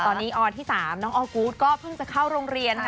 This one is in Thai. ตอนนี้อที่๓น้องออกูธก็เพิ่งจะเข้าโรงเรียนค่ะ